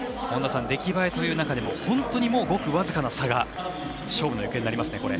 出来栄えという中でも本当にごく僅かの差が勝負の行方になりますね。